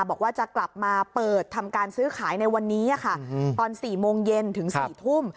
บอกว่าจะกลับมาเปิดทำการซื้อขายในวันนี้ค่ะตอน๔โมงเย็นถึง๔ทุ่ม